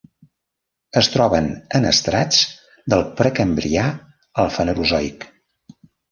Es troben en estrats del Precambrià al Fanerozoic.